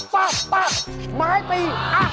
ม้ายาบปี